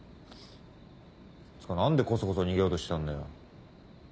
つか何でこそこそ逃げようとしたんだよ。